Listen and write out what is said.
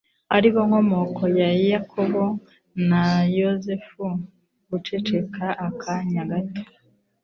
ari bo nkomoko ya Yakobo na Yozefu guceceka akanya gato